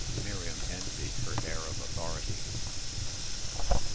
Miriam envied her air of authority.